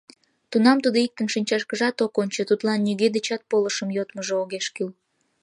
Тунам тудо иктын шинчашкыжат ок ончо, тудлан нигӧ дечат полышым йодмыжо огеш кӱл.